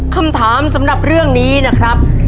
คำถามสำหรับเรื่องนี้นะครับ